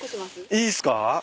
いいっすか？